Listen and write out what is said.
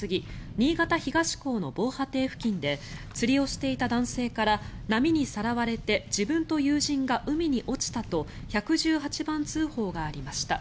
新潟東港の防波堤付近で釣りをしていた男性から波にさらわれて自分と友人が海に落ちたと１１８番通報がありました。